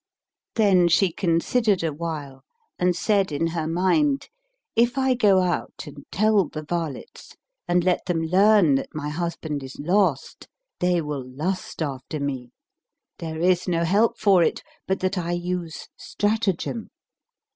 Then she considered awhile and said in her mind, "If I go out and tell the varlets and let them learn that my husband is lost they will lust after me: there is no help for it but that I use stratagem.